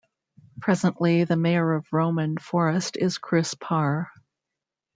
Presently, the mayor of Roman Forest is Chris Parr.